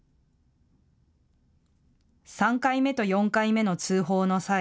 ３回目と４回目の通報の際。